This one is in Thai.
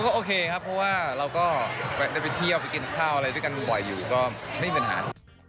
ก็โอเคครับเพราะว่าเราก็ได้ไปเที่ยวไปกินข้าวอะไรด้วยกันบ่อยอยู่ก็ไม่มีปัญหา